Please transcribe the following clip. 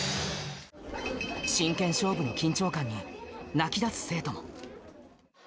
真剣勝負の緊張感に、泣きだす生徒も。